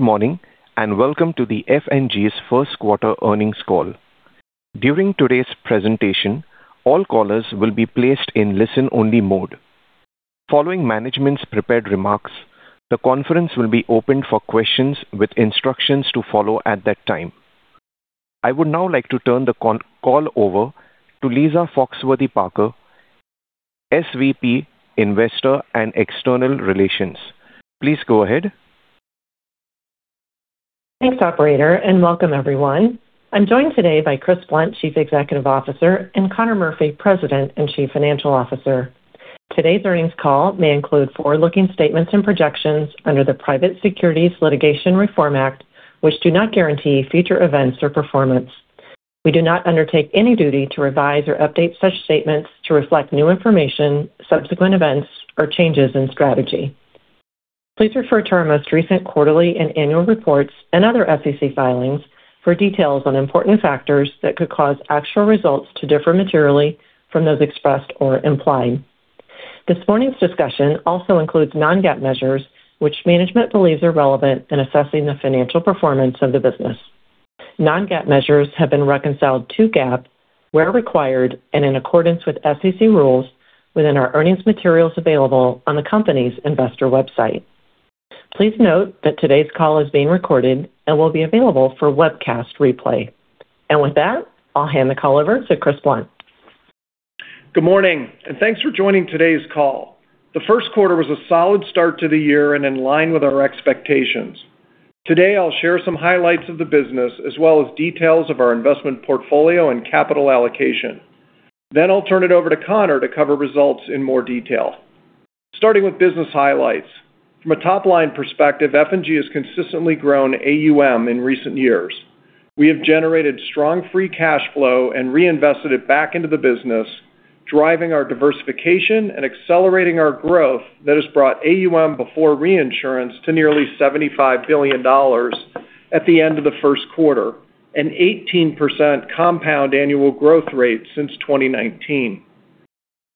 Morning, welcome to F&G's first quarter earnings call. During today's presentation, all callers will be placed in listen-only mode. Following management's prepared remarks, the conference will be opened for questions with instructions to follow at that time. I would now like to turn the con-call over to Lisa Foxworthy-Parker, SVP, Investor & External Relations. Please go ahead. Thanks, operator. Welcome everyone. I'm joined today by Chris Blunt, Chief Executive Officer, and Conor Murphy, President and Chief Financial Officer. Today's earnings call may include forward-looking statements and projections under the Private Securities Litigation Reform Act, which do not guarantee future events or performance. We do not undertake any duty to revise or update such statements to reflect new information, subsequent events, or changes in strategy. Please refer to our most recent quarterly and annual reports and other SEC filings for details on important factors that could cause actual results to differ materially from those expressed or implied. This morning's discussion also includes non-GAAP measures, which management believes are relevant in assessing the financial performance of the business. Non-GAAP measures have been reconciled to GAAP where required and in accordance with SEC rules within our earnings materials available on the company's investor website. Please note that today's call is being recorded and will be available for webcast replay. With that, I'll hand the call over to Chris Blunt. Good morning, and thanks for joining today's call. The first quarter was a solid start to the year and in line with our expectations. Today, I'll share some highlights of the business as well as details of our investment portfolio and capital allocation. Then I'll turn it over to Conor to cover results in more detail. Starting with business highlights. From a top-line perspective, F&G has consistently grown AUM in recent years. We have generated strong free cash flow and reinvested it back into the business, driving our diversification and accelerating our growth that has brought AUM before reinsurance to nearly $75 billion at the end of the first quarter, an 18% compound annual growth rate since 2019.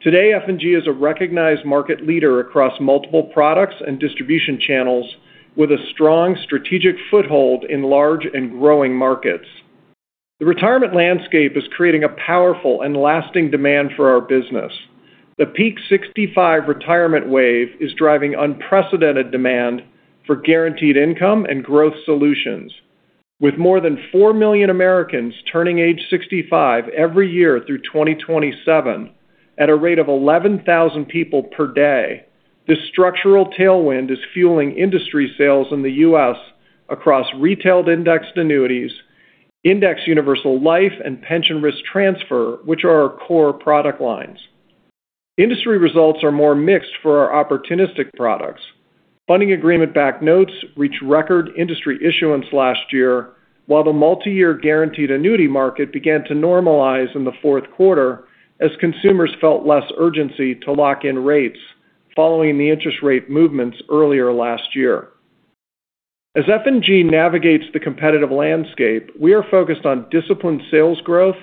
Today, F&G is a recognized market leader across multiple products and distribution channels with a strong strategic foothold in large and growing markets. The retirement landscape is creating a powerful and lasting demand for our business. The Peak 65 retirement wave is driving unprecedented demand for guaranteed income and growth solutions. With more than 4 million Americans turning age 65 every year through 2027 at a rate of 11,000 people per day, this structural tailwind is fueling industry sales in the U.S. across retail indexed annuities, indexed universal life and pension risk transfer, which are our core product lines. Industry results are more mixed for our opportunistic products. Funding Agreement-Backed Notes reached record industry issuance last year, while the Multi-Year Guaranteed Annuity market began to normalize in the fourth quarter as consumers felt less urgency to lock in rates following the interest rate movements earlier last year. As F&G navigates the competitive landscape, we are focused on disciplined sales growth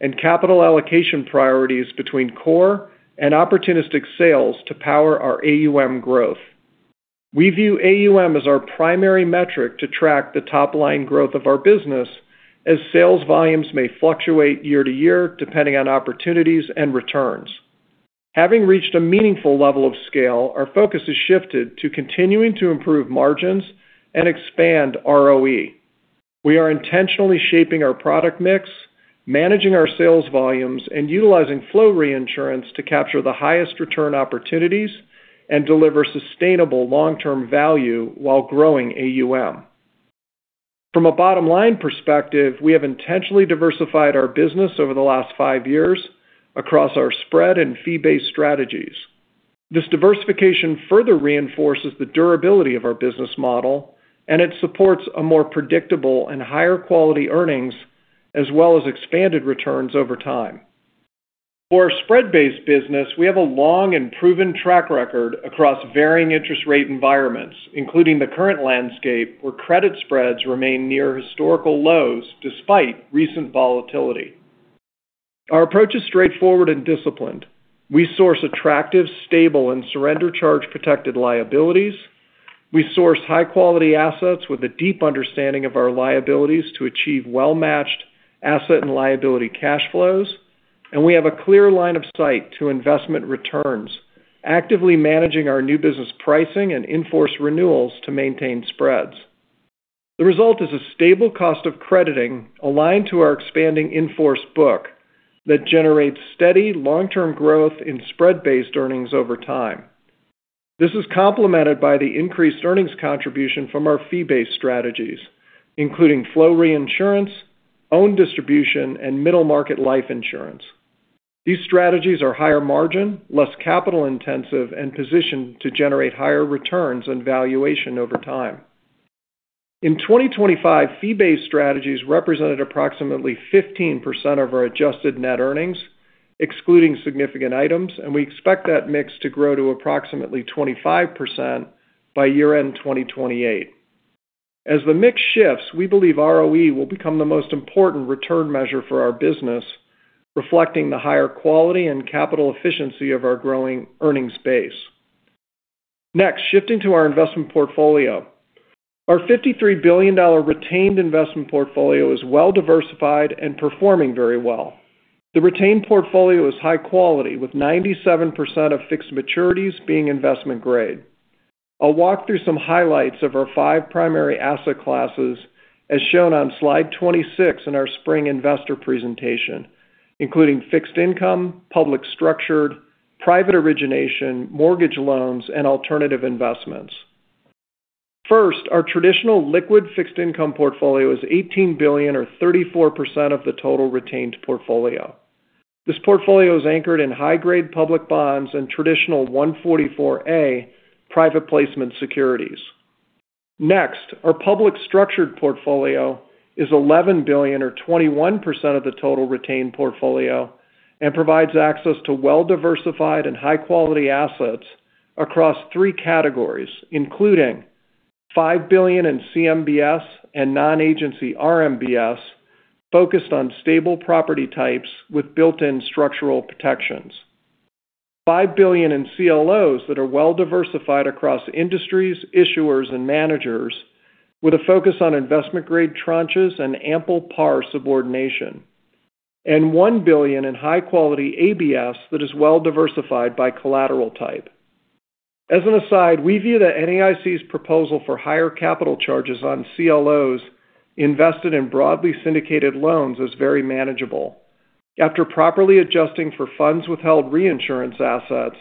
and capital allocation priorities between core and opportunistic sales to power our AUM growth. We view AUM as our primary metric to track the top-line growth of our business as sales volumes may fluctuate year to year depending on opportunities and returns. Having reached a meaningful level of scale, our focus has shifted to continuing to improve margins and expand ROE. We are intentionally shaping our product mix, managing our sales volumes, and utilizing flow reinsurance to capture the highest return opportunities and deliver sustainable long-term value while growing AUM. From a bottom-line perspective, we have intentionally diversified our business over the last five years across our spread and fee-based strategies. This diversification further reinforces the durability of our business model, and it supports a more predictable and higher quality earnings as well as expanded returns over time. For our spread-based business, we have a long and proven track record across varying interest rate environments, including the current landscape where credit spreads remain near historical lows despite recent volatility. Our approach is straightforward and disciplined. We source attractive, stable, and surrender charge-protected liabilities. We source high-quality assets with a deep understanding of our liabilities to achieve well-matched asset and liability cash flows. We have a clear line of sight to investment returns, actively managing our new business pricing and in-force renewals to maintain spreads. The result is a stable cost of crediting aligned to our expanding in-force book that generates steady long-term growth in spread-based earnings over time. This is complemented by the increased earnings contribution from our fee-based strategies, including flow reinsurance, own distribution, and middle market life insurance. These strategies are higher margin, less capital-intensive, and positioned to generate higher returns and valuation over time. In 2025, fee-based strategies represented approximately 15% of our adjusted net earnings, excluding significant items, and we expect that mix to grow to approximately 25% by year-end 2028. As the mix shifts, we believe ROE will become the most important return measure for our business. Reflecting the higher quality and capital efficiency of our growing earnings base. Next, shifting to our investment portfolio. Our $53 billion retained investment portfolio is well-diversified and performing very well. The retained portfolio is high quality, with 97% of fixed maturities being investment grade. I'll walk through some highlights of our five primary asset classes as shown on slide 26 in our spring investor presentation, including fixed income, public structured, private origination, mortgage loans, and alternative investments. First, our traditional liquid fixed income portfolio is $18 billion or 34% of the total retained portfolio. This portfolio is anchored in high-grade public bonds and traditional 144A private placement securities. Next, our public structured portfolio is $11 billion or 21% of the total retained portfolio and provides access to well-diversified and high-quality assets across three categories, including $5 billion in CMBS and non-agency RMBS focused on stable property types with built-in structural protections. $5 billion in CLOs that are well-diversified across industries, issuers, and managers with a focus on investment-grade tranches and ample par subordination. One billion in high-quality ABS that is well-diversified by collateral type. As an aside, we view the NAIC's proposal for higher capital charges on CLOs invested in broadly syndicated loans as very manageable. After properly adjusting for funds withheld reinsurance assets,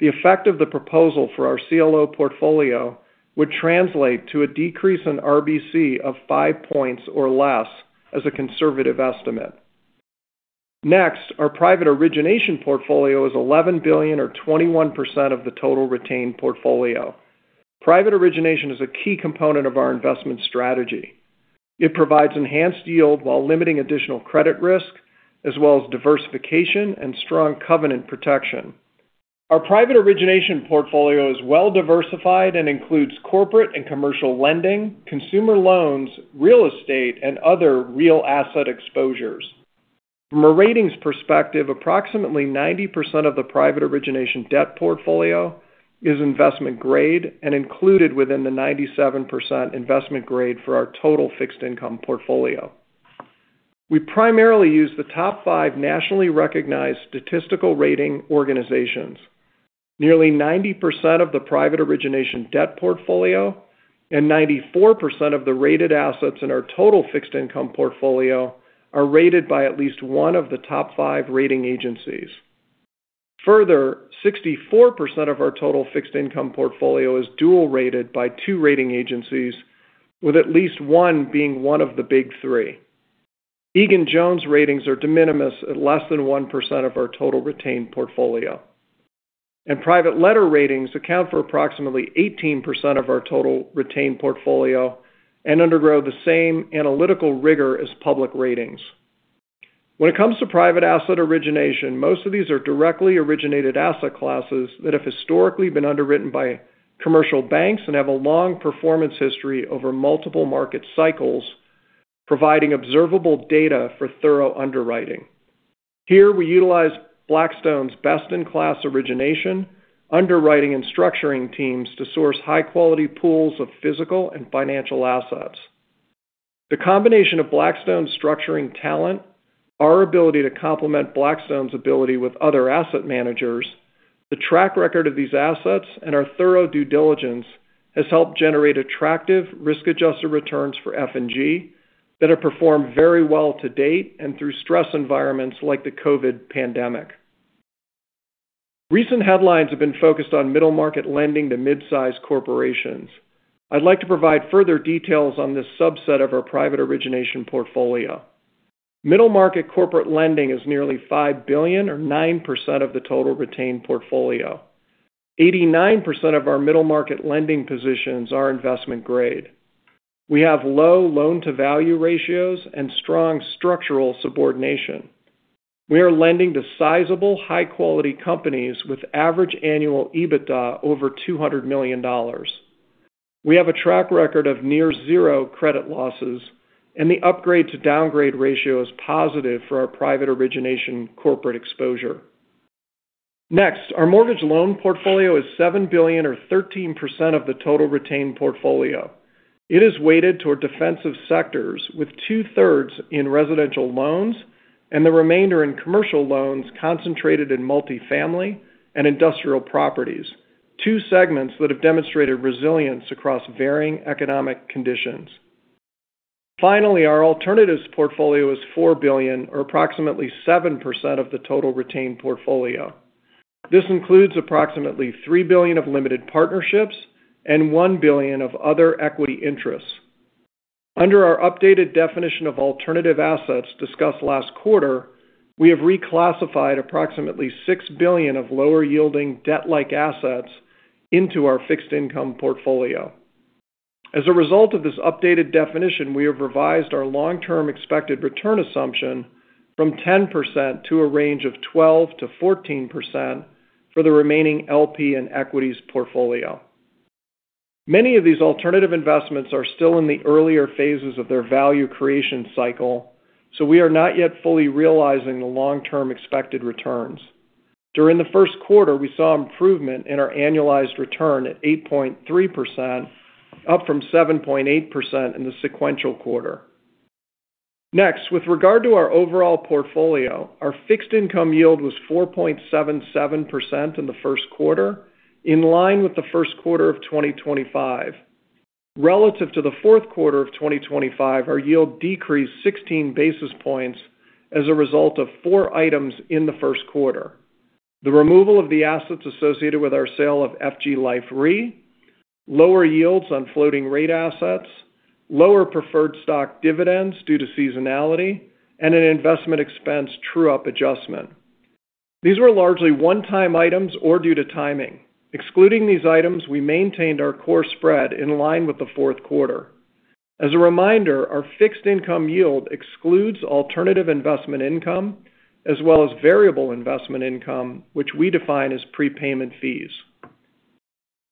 the effect of the proposal for our CLO portfolio would translate to a decrease in RBC of five points or less as a conservative estimate. Next, our private origination portfolio is $11 billion or 21% of the total retained portfolio. Private origination is a key component of our investment strategy. It provides enhanced yield while limiting additional credit risk, as well as diversification and strong covenant protection. Our private origination portfolio is well-diversified and includes corporate and commercial lending, consumer loans, real estate, and other real asset exposures. From a ratings perspective, approximately 90% of the private origination debt portfolio is investment grade and included within the 97% investment grade for our total fixed income portfolio. We primarily use the top five nationally recognized statistical rating organizations. Nearly 90% of the private origination debt portfolio and 94% of the rated assets in our total fixed income portfolio are rated by at least one of the top five rating agencies. 64% of our total fixed income portfolio is dual rated by two rating agencies, with at least one being one of the big three. Egan-Jones ratings are de minimis at less than 1% of our total retained portfolio. Private letter ratings account for approximately 18% of our total retained portfolio and undergo the same analytical rigor as public ratings. When it comes to private asset origination, most of these are directly originated asset classes that have historically been underwritten by commercial banks and have a long performance history over multiple market cycles, providing observable data for thorough underwriting. Here we utilize Blackstone's best in class origination, underwriting and structuring teams to source high quality pools of physical and financial assets. The combination of Blackstone's structuring talent, our ability to complement Blackstone's ability with other asset managers, the track record of these assets, and our thorough due diligence has helped generate attractive risk-adjusted returns for F&G that have performed very well to date and through stress environments like the COVID pandemic. Recent headlines have been focused on middle market lending to mid-size corporations. I'd like to provide further details on this subset of our private origination portfolio. Middle market corporate lending is nearly $5 billion or 9% of the total retained portfolio. 89% of our middle market lending positions are investment grade. We have low loan-to-value ratios and strong structural subordination. We are lending to sizable high quality companies with average annual EBITDA over $200 million. We have a track record of near zero credit losses, and the upgrade to downgrade ratio is positive for our private origination corporate exposure. Next, our mortgage loan portfolio is $7 billion or 13% of the total retained portfolio. It is weighted toward defensive sectors with 2/3 in residential loans and the remainder in commercial loans concentrated in multi-family and industrial properties, two segments that have demonstrated resilience across varying economic conditions. Finally, our alternatives portfolio is $4 billion or approximately 7% of the total retained portfolio. This includes approximately $3 billion of limited partnerships and $1 billion of other equity interests. Under our updated definition of alternative assets discussed last quarter, we have reclassified approximately $6 billion of lower yielding debt-like assets into our fixed income portfolio. As a result of this updated definition, we have revised our long-term expected return assumption from 10% to a range of 12%-14% for the remaining LP and equities portfolio. Many of these alternative investments are still in the earlier phases of their value creation cycle, we are not yet fully realizing the long-term expected returns. During the first quarter, we saw improvement in our annualized return at 8.3%, up from 7.8% in the sequential quarter. With regard to our overall portfolio, our fixed income yield was 4.77% in the first quarter, in line with the first quarter of 2025. Relative to the fourth quarter of 2025, our yield decreased 16 basis points as a result of four items in the first quarter. The removal of the assets associated with our sale of F&G Life Re, lower yields on floating rate assets, lower preferred stock dividends due to seasonality, and an investment expense true-up adjustment. These were largely one-time items or due to timing. Excluding these items, we maintained our core spread in line with the fourth quarter. As a reminder, our fixed income yield excludes alternative investment income as well as variable investment income, which we define as prepayment fees.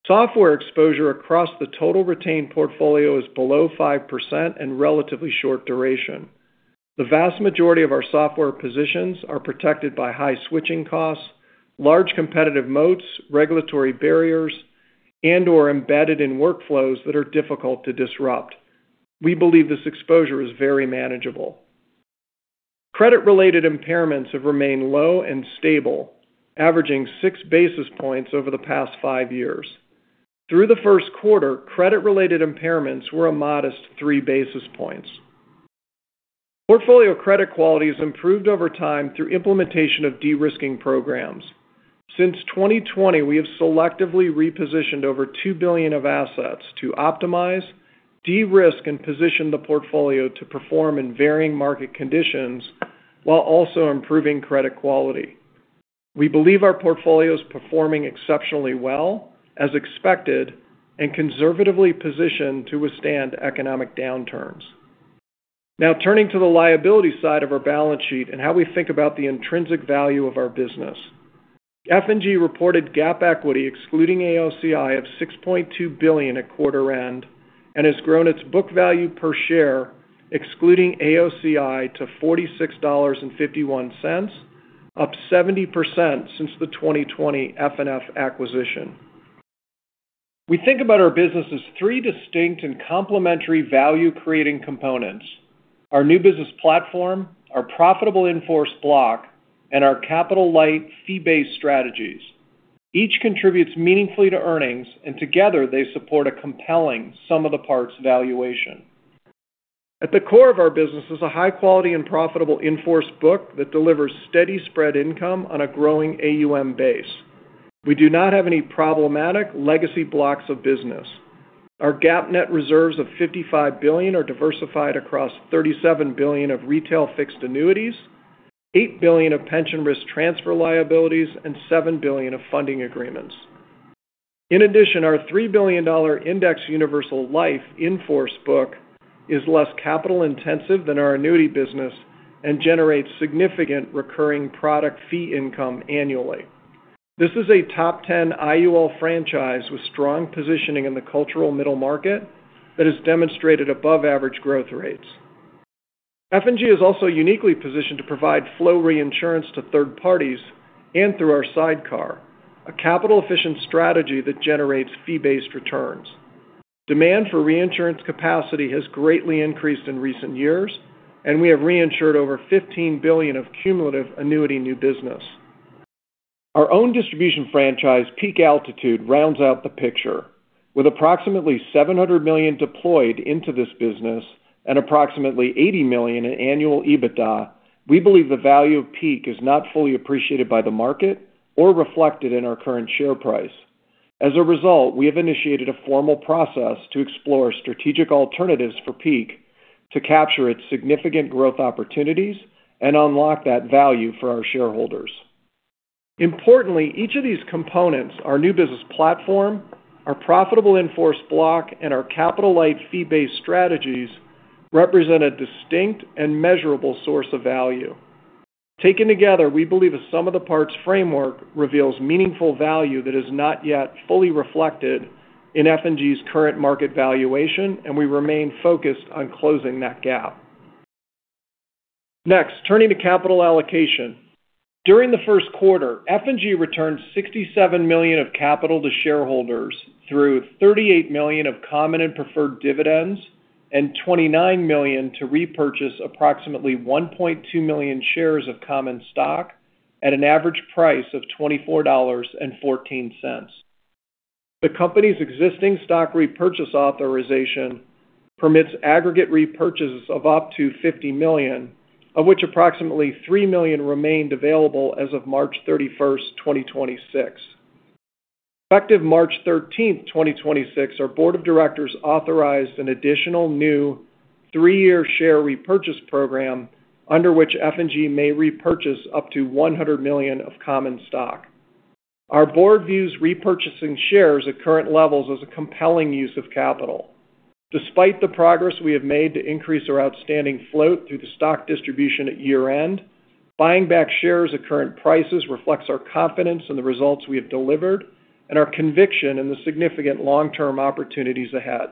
Software exposure across the total retained portfolio is below 5% and relatively short duration. The vast majority of our software positions are protected by high switching costs, large competitive moats, regulatory barriers, and/or embedded in workflows that are difficult to disrupt. We believe this exposure is very manageable. Credit-related impairments have remained low and stable, averaging six basis points over the past five years. Through the first quarter, credit-related impairments were a modest three basis points. Portfolio credit quality has improved over time through implementation of de-risking programs. Since 2020, we have selectively repositioned over $2 billion of assets to optimize, de-risk, and position the portfolio to perform in varying market conditions while also improving credit quality. We believe our portfolio is performing exceptionally well, as expected, and conservatively positioned to withstand economic downturns. Turning to the liability side of our balance sheet and how we think about the intrinsic value of our business. F&G reported GAAP equity excluding AOCI of $6.2 billion at quarter end and has grown its book value per share excluding AOCI to $46.51, up 70% since the 2020 FNF acquisition. We think about our business as three distinct and complementary value-creating components: our new business platform, our profitable in-force block, and our capital-light fee-based strategies. Each contributes meaningfully to earnings, and together they support a compelling sum of the parts valuation. At the core of our business is a high-quality and profitable in-force book that delivers steady spread income on a growing AUM base. We do not have any problematic legacy blocks of business. Our GAAP net reserves of $55 billion are diversified across $37 billion of retail fixed annuities, $8 billion of pension risk transfer liabilities, and $7 billion of funding agreements. In addition, our $3 billion indexed universal life in-force book is less capital-intensive than our annuity business and generates significant recurring product fee income annually. This is a top 10 IUL franchise with strong positioning in the multicultural middle market that has demonstrated above-average growth rates. F&G is also uniquely positioned to provide flow reinsurance to third parties and through our sidecar, a capital-efficient strategy that generates fee-based returns. Demand for reinsurance capacity has greatly increased in recent years, and we have reinsured over $15 billion of cumulative annuity new business. Our own distribution franchise, Peak Altitude, rounds out the picture. With approximately $700 million deployed into this business and approximately $80 million in annual EBITDA, we believe the value of Peak is not fully appreciated by the market or reflected in our current share price. As a result, we have initiated a formal process to explore strategic alternatives for Peak to capture its significant growth opportunities and unlock that value for our shareholders. Importantly, each of these components, our new business platform, our profitable in-force block, and our capital-light fee-based strategies, represent a distinct and measurable source of value. Taken together, we believe the sum of the parts framework reveals meaningful value that is not yet fully reflected in F&G's current market valuation, and we remain focused on closing that gap. Next, turning to capital allocation. During the first quarter, F&G returned $67 million of capital to shareholders through $38 million of common and preferred dividends and $29 million to repurchase approximately 1.2 million shares of common stock at an average price of $24.14. The company's existing stock repurchase authorization permits aggregate repurchases of up to $50 million, of which approximately $3 million remained available as of March 31st, 2026. Effective March 13, 2026, our Board of Directors authorized an additional new three-year share repurchase program under which F&G may repurchase up to $100 million of common stock. Our Board views repurchasing shares at current levels as a compelling use of capital. Despite the progress we have made to increase our outstanding float through the stock distribution at year-end, buying back shares at current prices reflects our confidence in the results we have delivered and our conviction in the significant long-term opportunities ahead.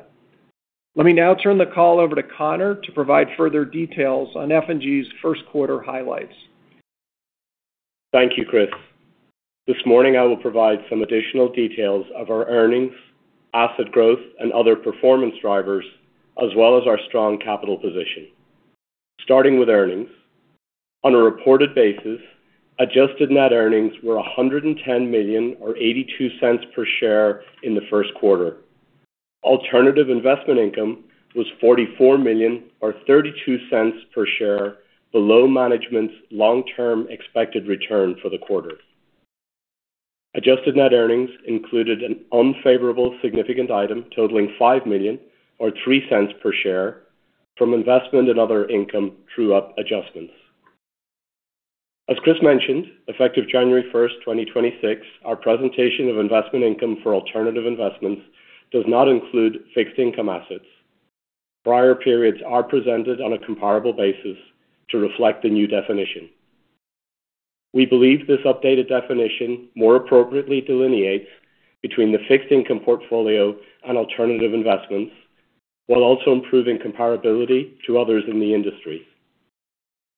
Let me now turn the call over to Conor to provide further details on F&G's first quarter highlights. Thank you, Chris. This morning, I will provide some additional details of our earnings, asset growth, and other performance drivers, as well as our strong capital position. Starting with earnings. On a reported basis, adjusted net earnings were $110 million, or $0.82 per share in the first quarter. Alternative investment income was $44 million, or $0.32 per share below management's long-term expected return for the quarter. Adjusted net earnings included an unfavorable significant item totaling $5 million or $0.03 per share from investment and other income true-up adjustments. As Chris mentioned, effective January 1st, 2026, our presentation of investment income for alternative investments does not include fixed income assets. Prior periods are presented on a comparable basis to reflect the new definition. We believe this updated definition more appropriately delineates between the fixed income portfolio and alternative investments, while also improving comparability to others in the industry.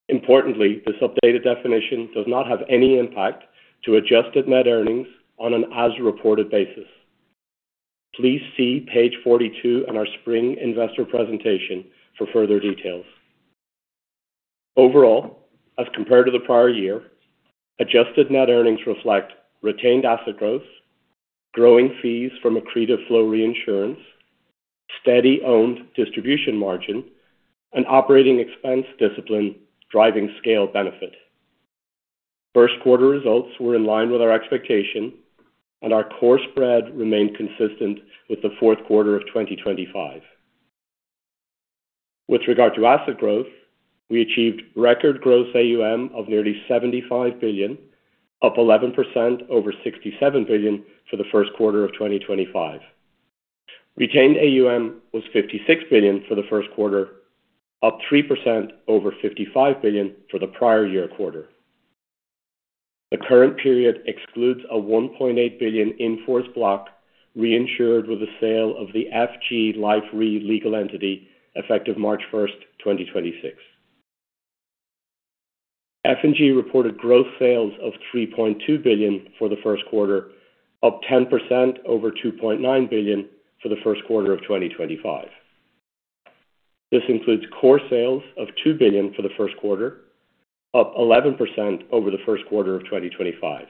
Importantly, this updated definition does not have any impact to adjusted net earnings on an as-reported basis. Please see page 42 in our spring investor presentation for further details. Overall, as compared to the prior year, adjusted net earnings reflect retained asset growth, growing fees from accretive flow reinsurance, steady owned distribution margin, and operating expense discipline driving scale benefit. First quarter results were in line with our expectation, and our core spread remained consistent with the fourth quarter of 2025. With regard to asset growth, we achieved record gross AUM of nearly $75 billion, up 11% over $67 billion for the first quarter of 2025. Retained AUM was $56 billion for the first quarter, up 3% over $55 billion for the prior year quarter. The current period excludes a $1.8 billion in-force block reinsured with the sale of the F&G Life Re legal entity effective March first, 2026. F&G reported gross sales of $3.2 billion for the first quarter, up 10% over $2.9 billion for the first quarter of 2025. This includes core sales of $2 billion for the first quarter, up 11% over the first quarter of 2025.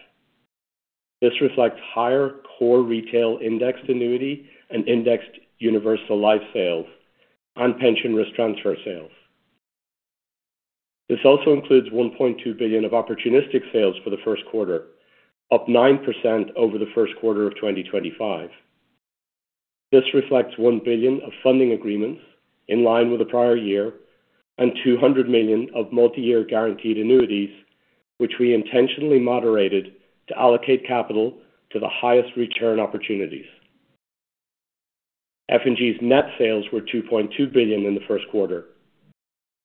This reflects higher core retail indexed annuity and indexed universal life sales and pension risk transfer sales. This also includes $1.2 billion of opportunistic sales for the first quarter, up 9% over the first quarter of 2025. This reflects $1 billion of funding agreements in line with the prior year and $200 million of Multi-Year Guaranteed Annuities, which we intentionally moderated to allocate capital to the highest return opportunities. F&G's net sales were $2.2 billion in the first quarter.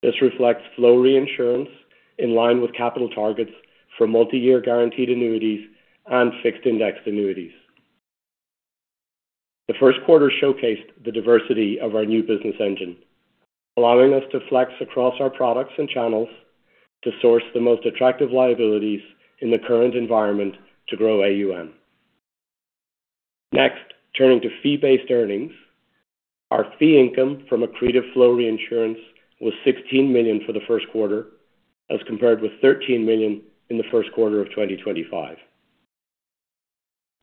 This reflects flow reinsurance in line with capital targets for Multi-Year Guaranteed Annuities and fixed indexed annuities. The first quarter showcased the diversity of our new business engine, allowing us to flex across our products and channels to source the most attractive liabilities in the current environment to grow AUM. Next, turning to fee-based earnings. Our fee income from accretive flow reinsurance was $16 million for the first quarter as compared with $13 million in the first quarter of 2025.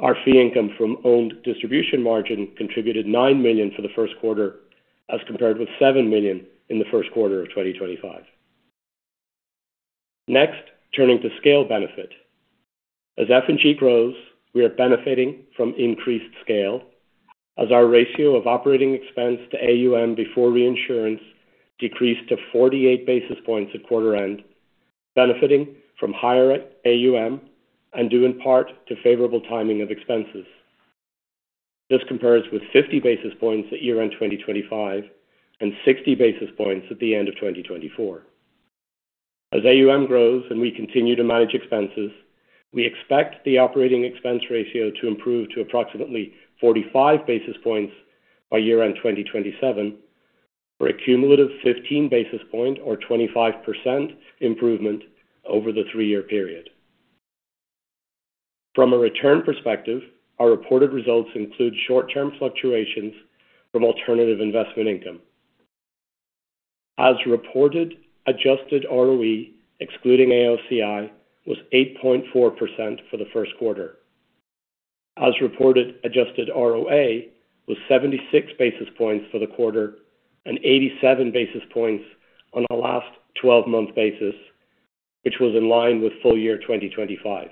Our fee income from owned distribution margin contributed $9 million for the first quarter as compared with $7 million in the first quarter of 2025. Turning to scale benefit. As F&G grows, we are benefiting from increased scale as our ratio of operating expense to AUM before reinsurance decreased to 48 basis points at quarter end, benefiting from higher AUM and due in part to favorable timing of expenses. This compares with 50 basis points at year-end 2025 and 60 basis points at the end of 2024. As AUM grows and we continue to manage expenses, we expect the operating expense ratio to improve to approximately 45 basis points by year-end 2027 for a cumulative 15 basis point or 25% improvement over the three-year period. From a return perspective, our reported results include short-term fluctuations from alternative investment income. As reported, adjusted ROE, excluding AOCI, was 8.4% for the first quarter. As reported, adjusted ROA was 76 basis points for the quarter and 87 basis points on a last 12-month basis, which was in line with full year 2025.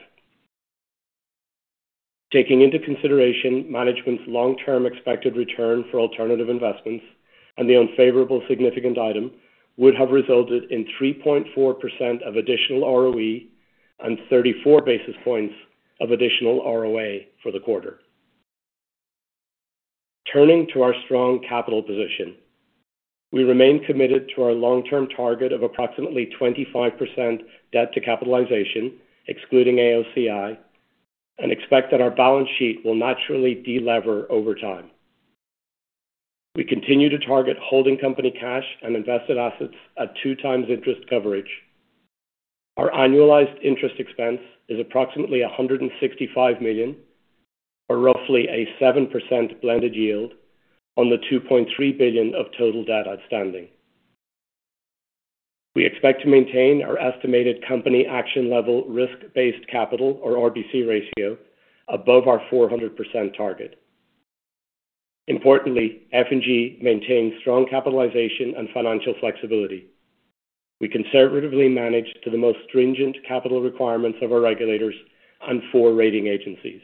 Taking into consideration management's long-term expected return for alternative investments and the unfavorable significant item would have resulted in 3.4% of additional ROE and 34 basis points of additional ROA for the quarter. Turning to our strong capital position. We remain committed to our long-term target of approximately 25% debt to capitalization, excluding AOCI, and expect that our balance sheet will naturally de-lever over time. We continue to target holding company cash and invested assets at two times interest coverage. Our annualized interest expense is approximately $165 million, or roughly a 7% blended yield on the $2.3 billion of total debt outstanding. We expect to maintain our estimated Company Action Level risk-based capital or RBC ratio above our 400% target. Importantly, F&G maintains strong capitalization and financial flexibility. We conservatively manage to the most stringent capital requirements of our regulators and four rating agencies.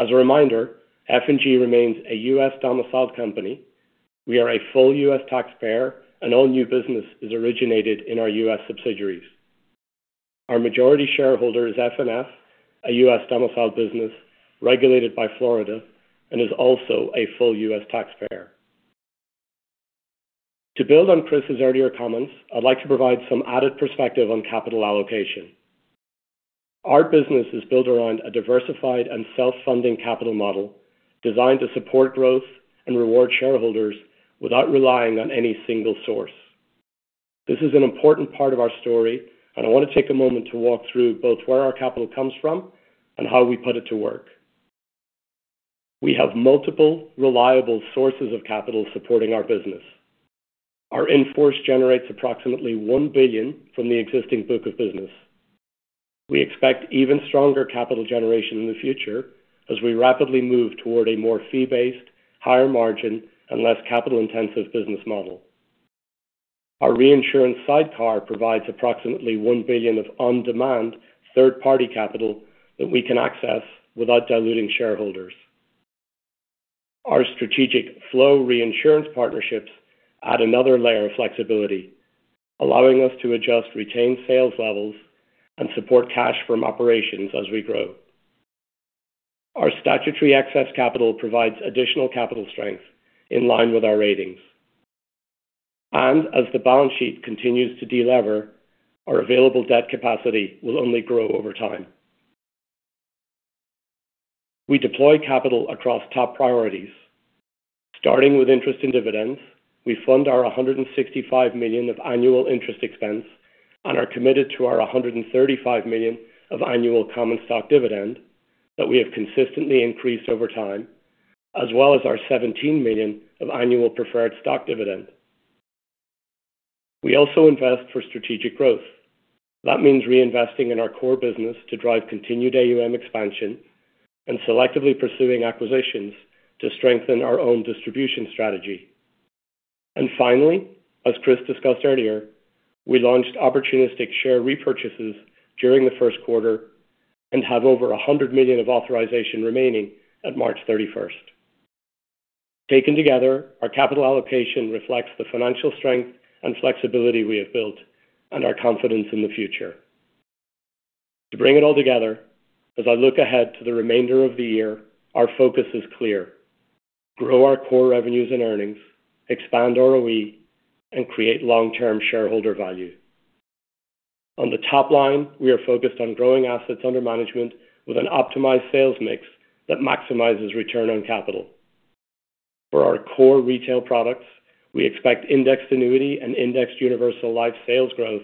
As a reminder, F&G remains a U.S. domiciled company. We are a full U.S. taxpayer, and all new business is originated in our U.S. subsidiaries. Our majority shareholder is FNF, a U.S. domiciled business regulated by Florida and is also a full U.S. taxpayer. To build on Chris's earlier comments, I'd like to provide some added perspective on capital allocation. Our business is built around a diversified and self-funding capital model designed to support growth and reward shareholders without relying on any single source. This is an important part of our story, and I want to take a moment to walk through both where our capital comes from and how we put it to work. We have multiple reliable sources of capital supporting our business. Our in-force generates approximately $1 billion from the existing book of business. We expect even stronger capital generation in the future as we rapidly move toward a more fee-based, higher margin, and less capital-intensive business model. Our reinsurance sidecar provides approximately $1 billion of on-demand third-party capital that we can access without diluting shareholders. Our strategic flow reinsurance partnerships add another layer of flexibility, allowing us to adjust retained sales levels and support cash from operations as we grow. Our statutory excess capital provides additional capital strength in line with our ratings. As the balance sheet continues to de-lever, our available debt capacity will only grow over time. We deploy capital across top priorities. Starting with interest and dividends, we fund our $165 million of annual interest expense and are committed to our $135 million of annual common stock dividend that we have consistently increased over time, as well as our $17 million of annual preferred stock dividend. We also invest for strategic growth. That means reinvesting in our core business to drive continued AUM expansion and selectively pursuing acquisitions to strengthen our own distribution strategy. Finally, as Chris discussed earlier, we launched opportunistic share repurchases during the first quarter and have over a $100 million of authorization remaining at March 31st. Taken together, our capital allocation reflects the financial strength and flexibility we have built and our confidence in the future. To bring it all together, as I look ahead to the remainder of the year, our focus is clear: grow our core revenues and earnings, expand ROE, and create long-term shareholder value. On the top line, we are focused on growing assets under management with an optimized sales mix that maximizes return on capital. For our core retail products, we expect indexed annuity and indexed universal life sales growth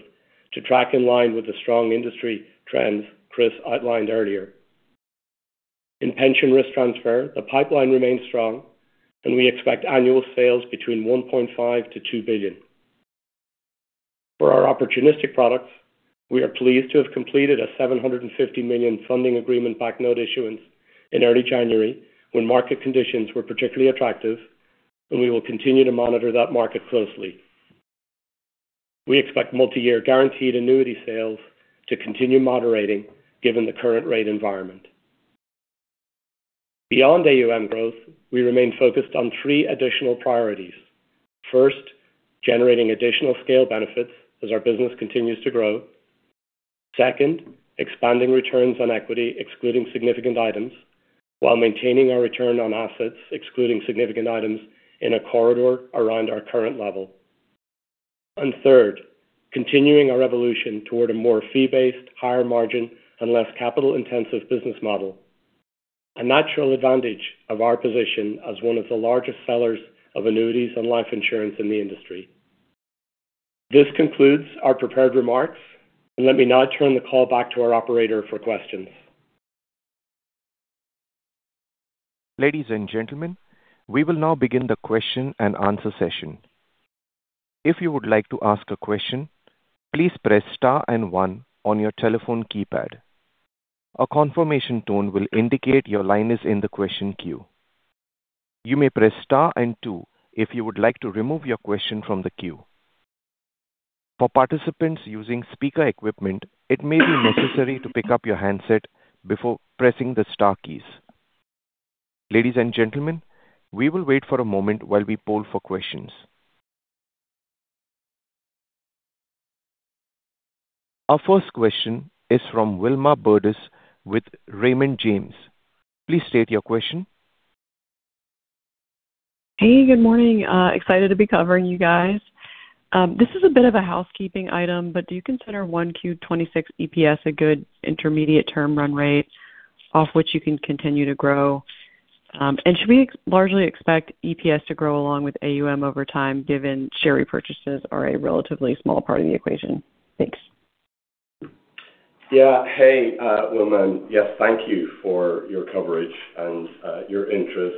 to track in line with the strong industry trends Chris outlined earlier. In pension risk transfer, the pipeline remains strong, and we expect annual sales between $1.5 billion-$2 billion. For our opportunistic products, we are pleased to have completed a $750 million Funding Agreement-Backed Notes issuance in early January, when market conditions were particularly attractive. We will continue to monitor that market closely. We expect Multi-Year Guaranteed Annuity sales to continue moderating given the current rate environment. Beyond AUM growth, we remain focused on three additional priorities. First, generating additional scale benefits as our business continues to grow. Second, expanding returns on equity, excluding significant items, while maintaining our return on assets, excluding significant items in a corridor around our current level. Third, continuing our evolution toward a more fee-based, higher margin, and less capital-intensive business model, a natural advantage of our position as one of the largest sellers of annuities and life insurance in the industry. This concludes our prepared remarks, and let me now turn the call back to our operator for questions. Our first question is from Wilma Burdis with Raymond James. Please state your question. Hey, good morning. Excited to be covering you guys. This is a bit of a housekeeping item, do you consider 1Q 2026 EPS a good intermediate term run rate off which you can continue to grow? Should we largely expect EPS to grow along with AUM over time, given share repurchases are a relatively small part of the equation? Thanks. Hey, Wilma. Thank you for your coverage and your interest.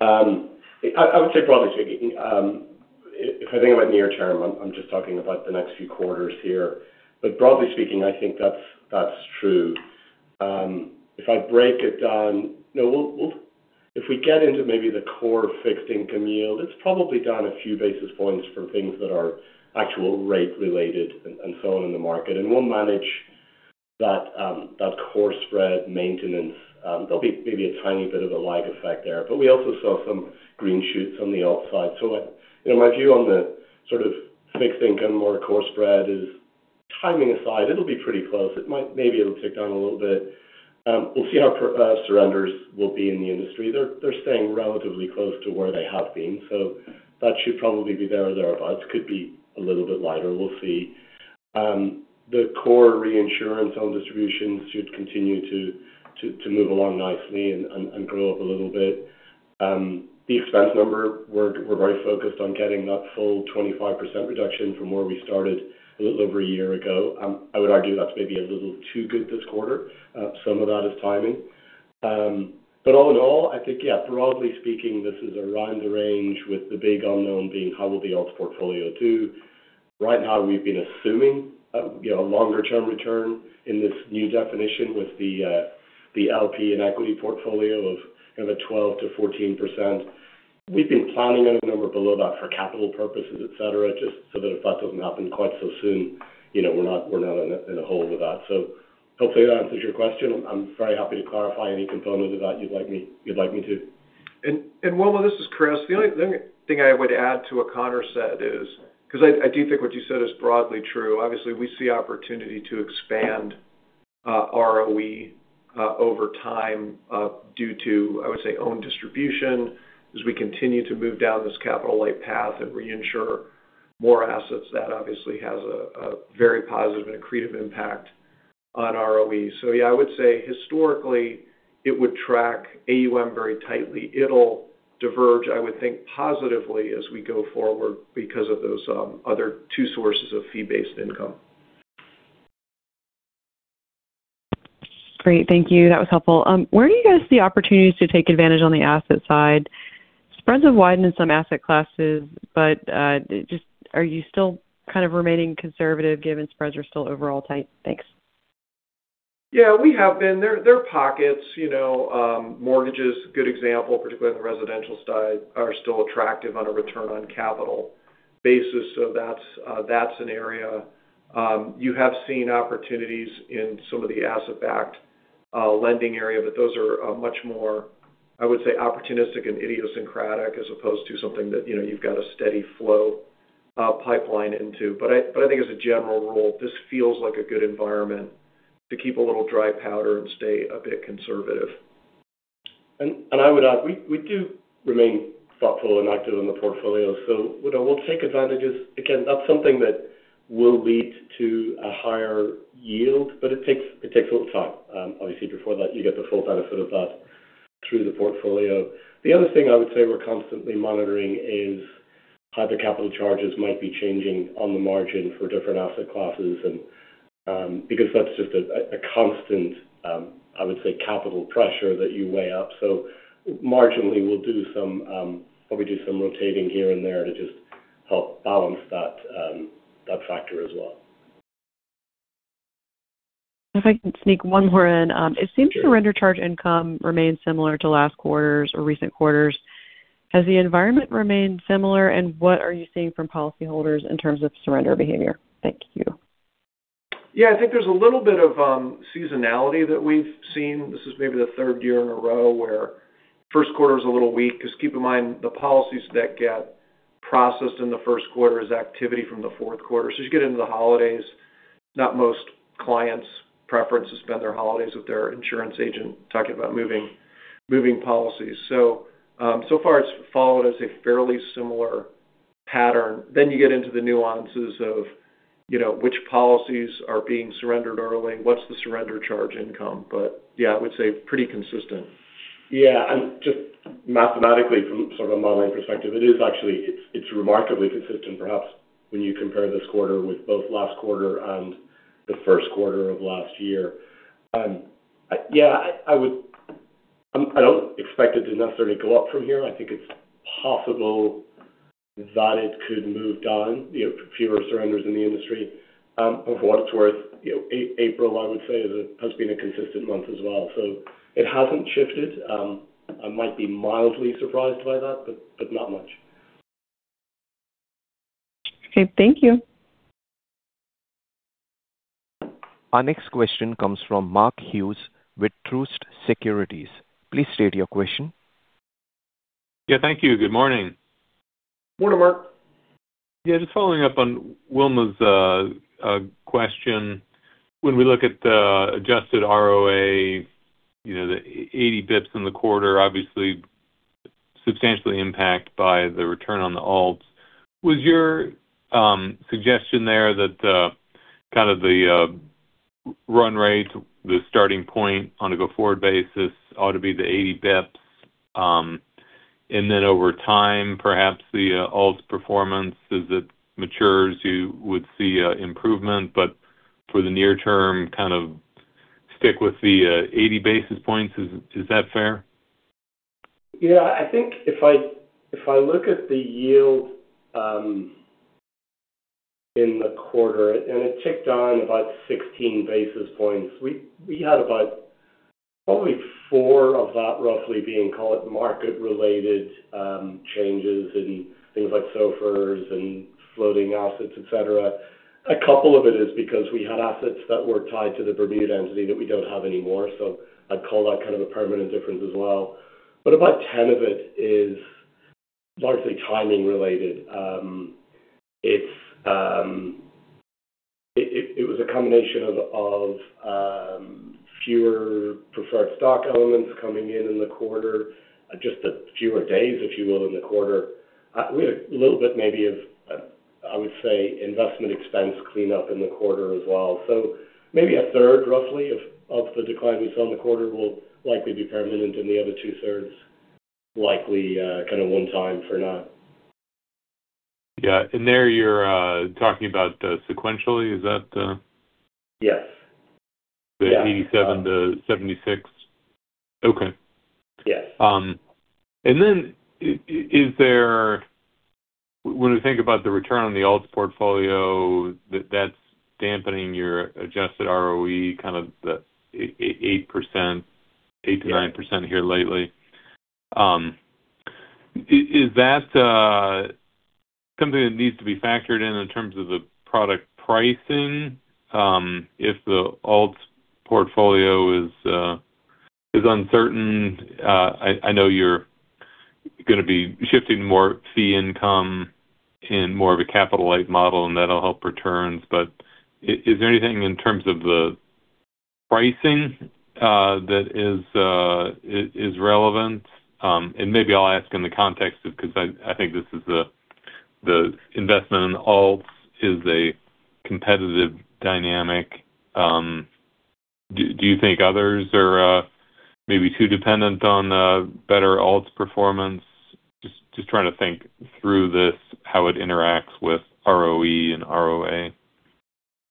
I would say broadly speaking, if I think about near term, I'm just talking about the next few quarters here. Broadly speaking, I think that's true. If I break it down, if we get into maybe the core fixed income yield, it's probably down a few basis points from things that are actual rate related and so on in the market. We'll manage that core spread maintenance. There'll be maybe a tiny bit of a lag effect there, but we also saw some green shoots on the alt side. I, you know, my view on the sort of fixed income, more core spread is timing aside, it'll be pretty close. Maybe it'll tick down a little bit. We'll see how surrenders will be in the industry. They're staying relatively close to where they have been, so that should probably be there or thereabouts. Could be a little bit lighter. We'll see. The core reinsurance on distributions should continue to move along nicely and grow up a little bit. The expense number, we're very focused on getting that full 25% reduction from where we started a little over a year ago. I would argue that's maybe a little too good this quarter. Some of that is timing. All in all, I think, yeah, broadly speaking, this is around the range with the big unknown being how will the alts portfolio do. Right now we've been assuming, you know, a longer term return in this new definition with the LP and equity portfolio of kind of a 12%-14%. We've been planning on a number below that for capital purposes, et cetera, just so that if that doesn't happen quite so soon, you know, we're not in a hole with that. Hopefully that answers your question. I'm very happy to clarify any component of that you'd like me to. Wilma, this is Chris. The only thing I would add to what Conor said is because I do think what you said is broadly true. Obviously, we see opportunity to expand ROE over time due to, I would say, own distribution. As we continue to move down this capital light path and reinsure more assets, that obviously has a very positive and accretive impact on ROE. Yeah, I would say historically, it would track AUM very tightly. It'll diverge, I would think, positively as we go forward because of those other two sources of fee-based income. Great. Thank you. That was helpful. Where do you guys see opportunities to take advantage on the asset side? Spreads have widened in some asset classes. Are you still remaining conservative given spreads are still overall tight? Thanks. Yeah, we have been. There are pockets, you know, mortgages, good example, particularly on the residential side, are still attractive on a return on capital basis. That's an area. You have seen opportunities in some of the asset backed lending area, but those are much more, I would say, opportunistic and idiosyncratic as opposed to something that, you know, you've got a steady flow pipeline into. I think as a general rule, this feels like a good environment to keep a little dry powder and stay a bit conservative. I would add, we do remain thoughtful and active in the portfolio. You know, we'll take advantages. Again, that's something that will lead to a higher yield, but it takes a little time, obviously, before that you get the full benefit of that through the portfolio. The other thing I would say we're constantly monitoring is how the capital charges might be changing on the margin for different asset classes, because that's just a constant, I would say, capital pressure that you weigh up. Marginally, we'll do some, probably do some rotating here and there to just help balance that factor as well. If I can sneak one more in. It seems surrender charge income remains similar to last quarters or recent quarters. Has the environment remained similar, and what are you seeing from policyholders in terms of surrender behavior? Thank you. Yeah. I think there's a little bit of seasonality that we've seen. This is maybe the 3rd year in a row where 1st quarter is a little weak. Just keep in mind, the policies that get processed in the 1st quarter is activity from the 4th quarter. As you get into the holidays, not most clients prefer to spend their holidays with their insurance agent talking about moving policies. So far it's followed as a fairly similar pattern. You get into the nuances of, you know, which policies are being surrendered early, what's the surrender charge income. Yeah, I would say pretty consistent. Yeah. Just mathematically from sort of a modeling perspective, it is actually, it's remarkably consistent, perhaps, when you compare this quarter with both last quarter and the first quarter of last year. Yeah, I would. I don't expect it to necessarily go up from here. I think it's possible that it could move down, you know, fewer surrenders in the industry. For what it's worth, you know, April, I would say, has been a consistent month as well. It hasn't shifted. I might be mildly surprised by that, but not much. Okay. Thank you. Our next question comes from Mark Hughes with Truist Securities. Please state your question. Yeah. Thank you. Good morning. Morning, Mark. Yeah, just following up on Wilma's question. When we look at the adjusted ROA, you know, the 80 basis points in the quarter obviously substantially impacted by the return on the alts. Was your suggestion there that the kind of the run rate, the starting point on a go-forward basis ought to be the 80 basis points, and then over time, perhaps the alts performance as it matures you would see improvement, for the near term, kind of stick with the 80 basis points. Is that fair? I think if I look at the yield in the quarter, it ticked on about 16 basis points. We had about probably four basis points of that roughly being, call it, market-related, changes in things like SOFRs and floating assets, et cetera. A couple of it is because we had assets that were tied to the Bermuda entity that we don't have anymore. I'd call that kind of a permanent difference as well. About 10 basis points of it is largely timing related. It was a combination of fewer preferred stock elements coming in in the quarter, just a fewer days, if you will, in the quarter. We had a little bit maybe of, I would say, investment expense cleanup in the quarter as well. Maybe a third roughly of the decline we saw in the quarter will likely be permanent and the other two thirds likely kind of one time for now. Yeah. There you're talking about sequentially, is that? Yes. The 87% to 76%? Okay. Yes. Is there, when we think about the return on the alts portfolio that's dampening your adjusted ROE, kind of the 8%-9% here lately. Is that something that needs to be factored in in terms of the product pricing, if the alts portfolio is uncertain? I know you're gonna be shifting more fee income in more of a capital-light model, and that'll help returns. Is there anything in terms of the pricing that is relevant? Maybe I'll ask in the context of because I think this is the investment in alts is a competitive dynamic. Do you think others are maybe too dependent on the better alts performance? Just trying to think through this, how it interacts with ROE and ROA.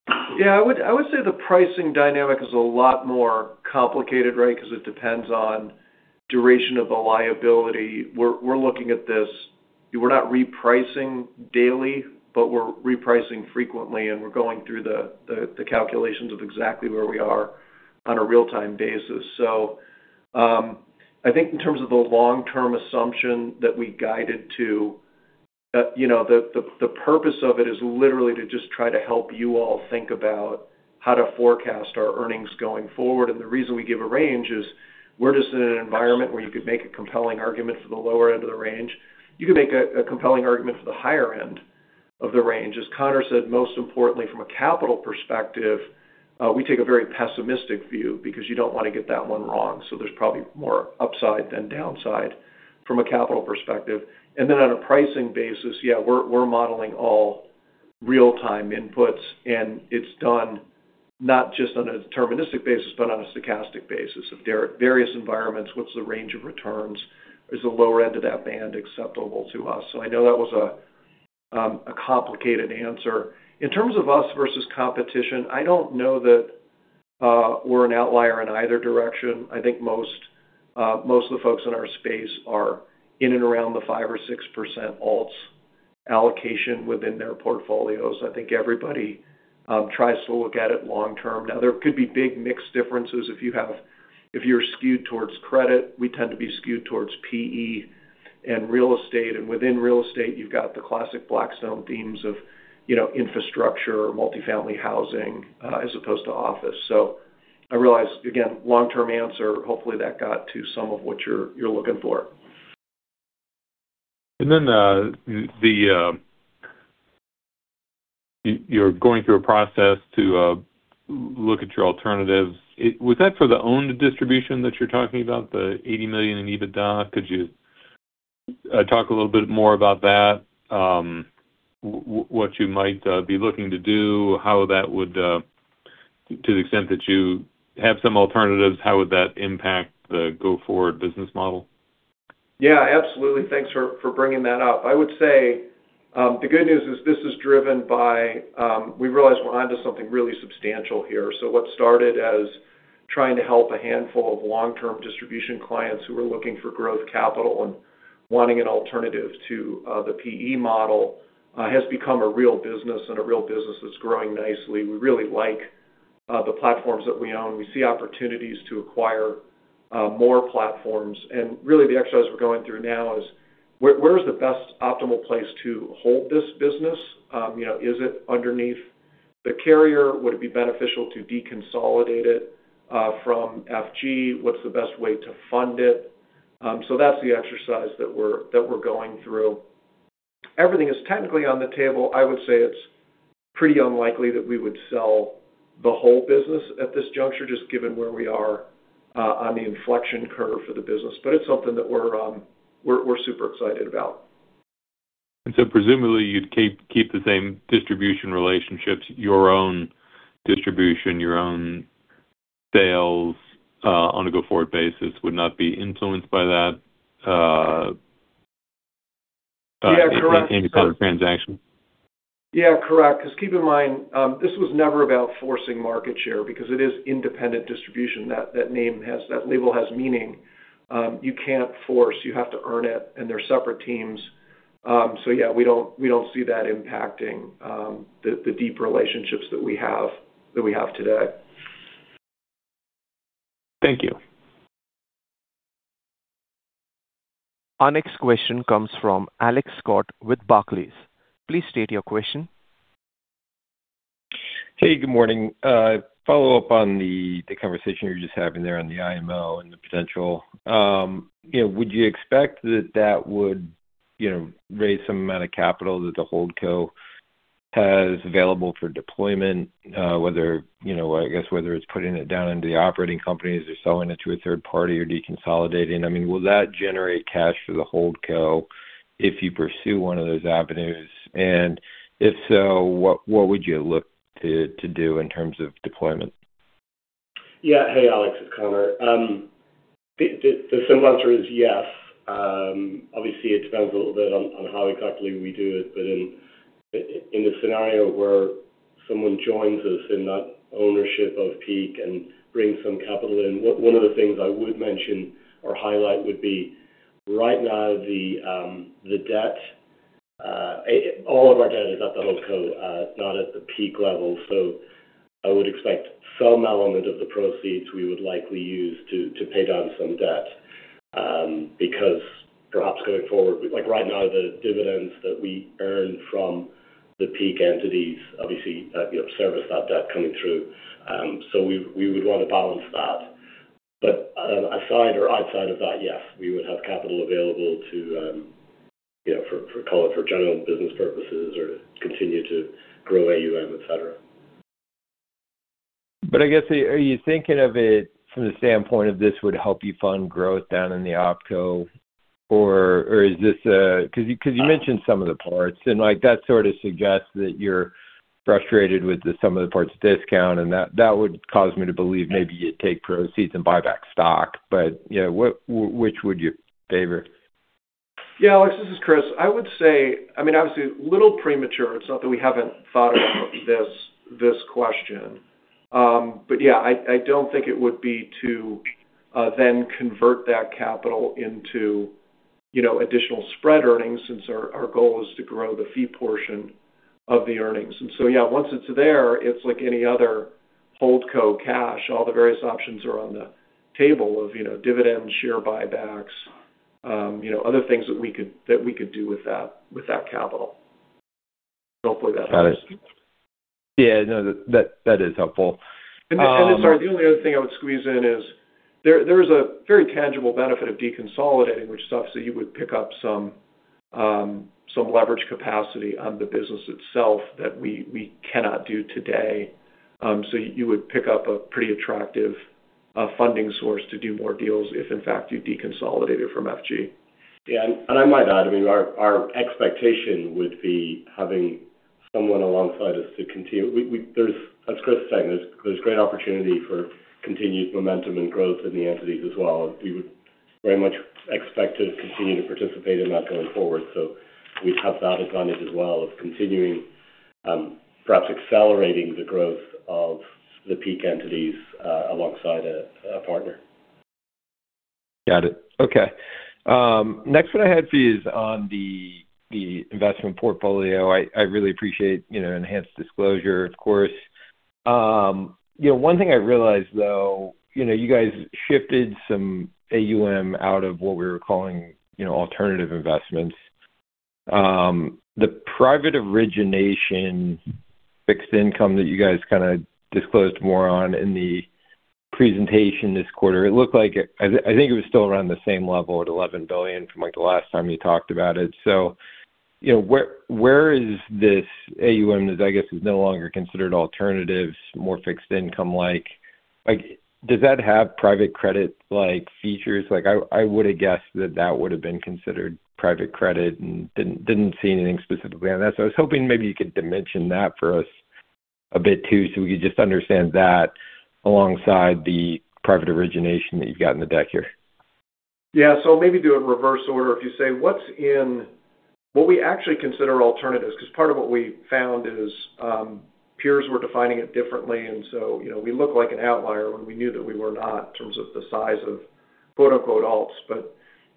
I would say the pricing dynamic is a lot more complicated, right? It depends on duration of the liability. We're looking at this. We're not repricing daily, but we're repricing frequently, and we're going through the calculations of exactly where we are on a real-time basis. I think in terms of the long-term assumption that we guided to, you know, the purpose of it is literally to just try to help you all think about how to forecast our earnings going forward. The reason we give a range is we're just in an environment where you could make a compelling argument for the lower end of the range. You could make a compelling argument for the higher end of the range. As Conor said, most importantly from a capital perspective, we take a very pessimistic view because you don't want to get that one wrong. There's probably more upside than downside from a capital perspective. On a pricing basis, yeah, we're modeling all real-time inputs, and it's done not just on a deterministic basis, but on a stochastic basis. If there are various environments, what's the range of returns? Is the lower end of that band acceptable to us? I know that was a complicated answer. In terms of us versus competition, I don't know that we're an outlier in either direction. I think most of the folks in our space are in and around the 5% or 6% alts allocation within their portfolios. I think everybody tries to look at it long term. There could be big mix differences if you're skewed towards credit. We tend to be skewed towards PE and real estate. Within real estate, you've got the classic Blackstone themes of, you know, infrastructure or multifamily housing, as opposed to office. I realize, again, long-term answer. Hopefully, that got to some of what you're looking for. You're going through a process to look at your alternatives. Was that for the owned distribution that you're talking about, the $80 million in EBITDA? Could you talk a little bit more about that? What you might be looking to do, how that would, to the extent that you have some alternatives, how would that impact the go-forward business model? Yeah, absolutely. Thanks for bringing that up. I would say, the good news is this is driven by we realized we're onto something really substantial here. What started as trying to help a handful of long-term distribution clients who are looking for growth capital and wanting an alternative to the PE model has become a real business and a real business that's growing nicely. We really like the platforms that we own. We see opportunities to acquire more platforms. Really the exercise we're going through now is where is the best optimal place to hold this business? You know, is it underneath the carrier? Would it be beneficial to deconsolidate it from F&G? What's the best way to fund it? That's the exercise that we're going through. Everything is technically on the table. I would say it's pretty unlikely that we would sell the whole business at this juncture, just given where we are on the inflection curve for the business. It's something that we're super excited about. Presumably you'd keep the same distribution relationships, your own distribution, your own sales, on a go-forward basis would not be influenced by that. Yeah, correct. Any kind of transaction? Yeah, correct. 'Cause keep in mind, this was never about forcing market share because it is independent distribution. That label has meaning. You can't force, you have to earn it, and they're separate teams. Yeah, we don't, we don't see that impacting, the deep relationships that we have today. Thank you. Our next question comes from Alex Scott with Barclays. Please state your question. Hey, good morning. Follow-up on the conversation you were just having there on the IMO and the potential. You know, would you expect that that would, you know, raise some amount of capital that the holdco has available for deployment? Whether, you know, I guess whether it's putting it down into the operating companies or selling it to a third party or deconsolidating. I mean, will that generate cash for the holdco if you pursue one of those avenues? If so, what would you look to do in terms of deployment? Yeah. Hey, Alex, it's Conor. The simple answer is yes. Obviously it depends a little bit on how exactly we do it. In the scenario where someone joins us in that ownership of Peak and brings some capital in, one of the things I would mention or highlight would be right now the debt. All of our debt is at the holdco, not at the Peak level. I would expect some element of the proceeds we would likely use to pay down some debt because perhaps going forward, like right now, the dividends that we earn from the Peak entities obviously, you know, service that debt coming through. We would want to balance that. Aside or outside of that, yes, we would have capital available to, you know, for call it for general business purposes or to continue to grow AUM, et cetera. I guess, are you thinking of it from the standpoint of this would help you fund growth down in the OpCo? Or, is this, because you mentioned sum of the parts, and like that sort of suggests that you're frustrated with the sum of the parts discount, and that would cause me to believe maybe you'd take proceeds and buy back stock. You know, what which would you favor? Yeah, Alex, this is Chris. I would say, obviously a little premature. It's not that we haven't thought about this question. Yeah, I don't think it would be to then convert that capital into additional spread earnings since our goal is to grow the fee portion of the earnings. Yeah, once it's there, it's like any other holdco cash. All the various options are on the table of dividends, share buybacks, other things that we could do with that capital. Hopefully that helps. Got it. Yeah, no, that is helpful. Sorry, the only other thing I would squeeze in is there is a very tangible benefit of deconsolidating, which is obviously you would pick up some leverage capacity on the business itself that we cannot do today. You would pick up a pretty attractive funding source to do more deals if in fact you deconsolidated from F&G. Yeah. I mean, our expectation would be having someone alongside us to continue. As Chris was saying, there's great opportunity for continued momentum and growth in the entities as well. We would very much expect to continue to participate in that going forward. We'd have that advantage as well of continuing, perhaps accelerating the growth of the Peak entities alongside a partner. Got it. Okay. Next one I had for you is on the investment portfolio. I really appreciate, you know, enhanced disclosure, of course. You know, one thing I realized though, you know, you guys shifted some AUM out of what we were calling, you know, alternative investments. The private origination fixed income that you guys kind of disclosed more on in the presentation this quarter, it looked like it, I think it was still around the same level at $11 billion from like the last time you talked about it. You know, where is this AUM that I guess is no longer considered alternatives, more fixed income like? Like, does that have private credit like features? Like, I would have guessed that that would have been considered private credit and didn't see anything specifically on that. I was hoping maybe you could dimension that for us a bit too, so we could just understand that alongside the private origination that you've got in the deck here. Yeah. Maybe do a reverse order. If you say what's in what we actually consider alternatives, because part of what we found is, peers were defining it differently. You know, we look like an outlier when we knew that we were not in terms of the size of "alts."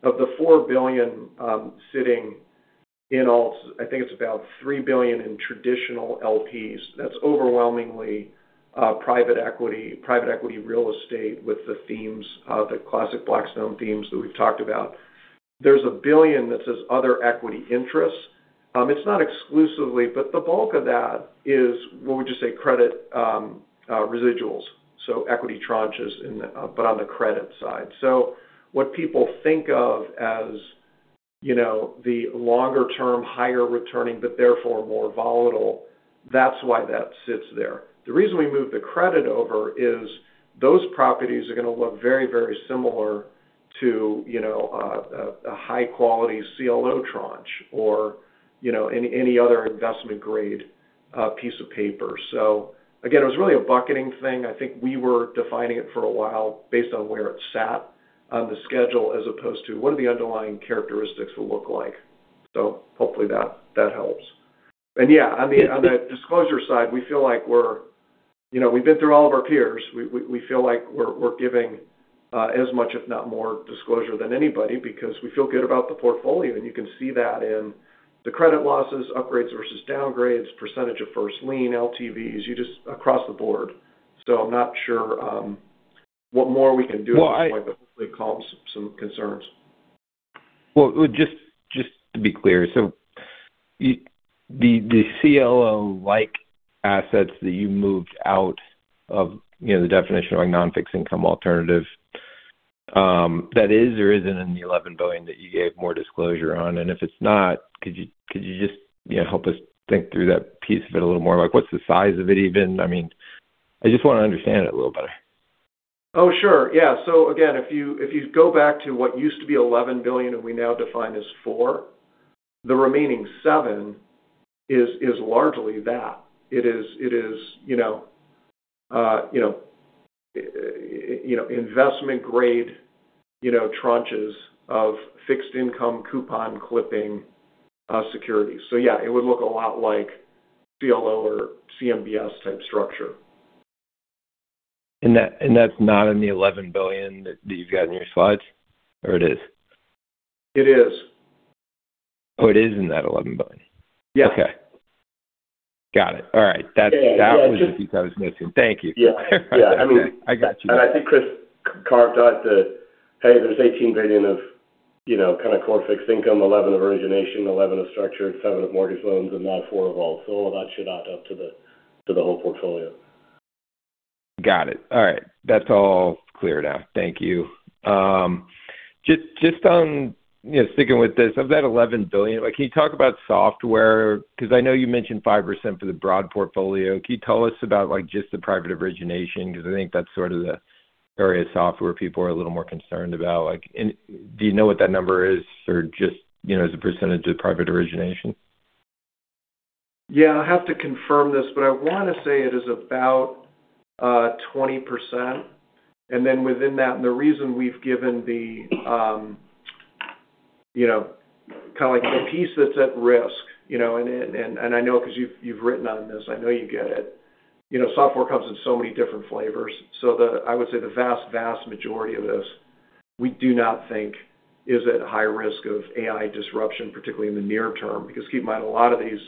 Of the $4 billion, sitting in alts, I think it's about $3 billion in traditional LPs. That's overwhelmingly private equity, private equity real estate with the themes of the classic Blackstone themes that we've talked about. There's $1 billion that says other equity interests. It's not exclusively, but the bulk of that is, what would you say, credit residuals. Equity tranches, but on the credit side. What people think of as, you know, the longer term, higher returning, but therefore more volatile. That's why that sits there. The reason we moved the credit over is those properties are gonna look very, very similar to, you know, a high-quality CLO tranche or, you know, any other investment grade piece of paper. Again, it was really a bucketing thing. I think we were defining it for a while based on where it sat on the schedule, as opposed to what are the underlying characteristics will look like. Hopefully that helps. Yeah, I mean, on the disclosure side, we feel like we're. You know, we've been through all of our peers. We feel like we're giving as much, if not more disclosure than anybody because we feel good about the portfolio. You can see that in the credit losses, upgrades versus downgrades, percentage of first lien, LTVs, just across the board. I'm not sure, what more we can do at this point, but hopefully it calms some concerns. Well, just to be clear. the CLO-like assets that you moved out of, you know, the definition of a non-fixed income alternative, that is or isn't in the $11 billion that you gave more disclosure on. If it's not, could you just, you know, help us think through that piece of it a little more? Like, what's the size of it even? I mean, I just wanna understand it a little better. Oh, sure. Yeah. Again, if you go back to what used to be $11 billion and we now define as $4 billion, the remaining $7 billion is largely that. It is, you know, you know, investment grade, you know, tranches of fixed income coupon clipping securities. Yeah, it would look a lot like CLO or CMBS type structure. That's not in the $11 billion that you've got in your slides or it is? It is. Oh, it is in that $11 billion? Yeah. Okay. Got it. All right. Yeah. Yeah. That was the piece I was missing. Thank you. Yeah. Yeah. I got you now. I think Chris carved out the, hey, there's $18 billion of, you know, kinda core fixed income, $11 billion of origination, $11 billion of structured, $7 billion of mortgage loans, and now $4 billion of all. All of that should add up to the, to the whole portfolio. Got it. All right. That's all clear now. Thank you. Just on, you know, sticking with this. Of that $11 billion, like, can you talk about software? Cause I know you mentioned 5% for the broad portfolio. Can you tell us about, like, just the private origination? Cause I think that's sort of the area of software people are a little more concerned about. Do you know what that number is for just, you know, as a percentage of private origination? Yeah. I'll have to confirm this, but I wanna say it is about 20%. Then within that, and the reason we've given the, you know, kinda like the piece that's at risk, you know. I know 'cause you've written on this, I know you get it. You know, software comes in so many different flavors, I would say the vast majority of this, we do not think is at high risk of AI disruption, particularly in the near term. Because keep in mind, a lot of these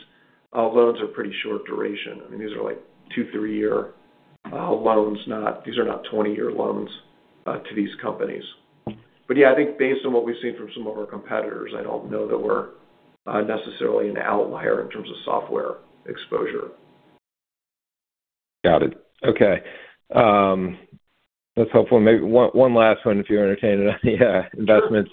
loans are pretty short duration. I mean, these are like two, three year loans, these are not 20-year loans to these companies. Yeah, I think based on what we've seen from some of our competitors, I don't know that we're necessarily an outlier in terms of software exposure. Got it. Okay. That's helpful. Maybe one last one if you're entertaining any investments.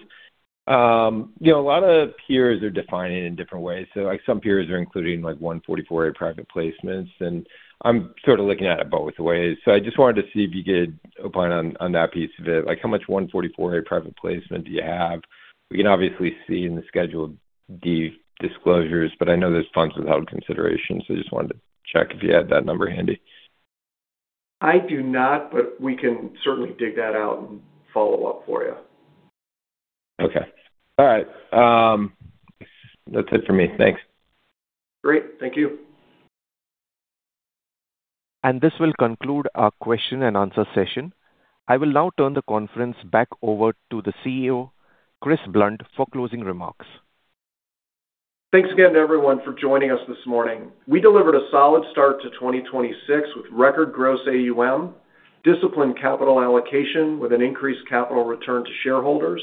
You know, a lot of peers are defining in different ways. So like some peers are including like 144A private placements, and I'm sort of looking at it both ways. I just wanted to see if you could opine on that piece of it. Like how much 144A private placement do you have? We can obviously see in the Schedule D disclosures, but I know there's funds without consideration, so I just wanted to check if you had that number handy. I do not, but we can certainly dig that out and follow up for you. Okay. All right. That's it for me. Thanks. Great. Thank you. This will conclude our question and answer session. I will now turn the conference back over to the CEO, Chris Blunt, for closing remarks. Thanks again to everyone for joining us this morning. We delivered a solid start to 2026 with record gross AUM, disciplined capital allocation with an increased capital return to shareholders,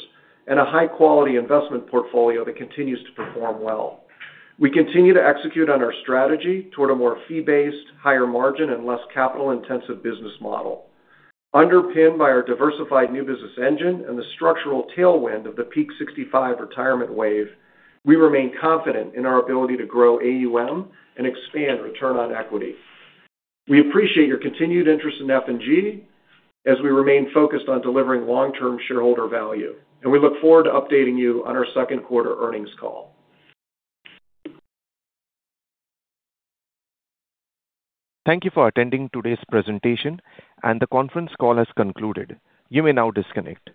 and a high-quality investment portfolio that continues to perform well. We continue to execute on our strategy toward a more fee-based, higher margin, and less capital-intensive business model. Underpinned by our diversified new business engine and the structural tailwind of the Peak 65 retirement wave, we remain confident in our ability to grow AUM and expand return on equity. We appreciate your continued interest in F&G as we remain focused on delivering long-term shareholder value, and we look forward to updating you on our second quarter earnings call. Thank you for attending today's presentation, and the conference call has concluded. You may now disconnect.